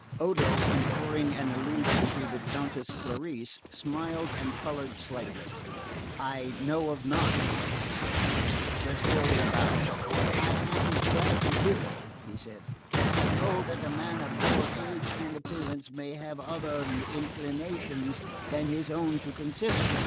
Odo, inferring an allusion to the Countess Clarice, smiled and coloured slightly. "I know of none," he said. Trescorre bowed. "I am glad to hear it," he said, "for I know that a man of your age and appearance may have other inclinations than his own to consider.